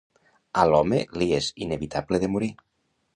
A l'home li és inevitable de morir.